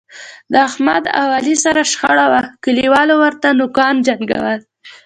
د احمد او علي سره شخړه وه، کلیوالو ورته نوکونو جنګول.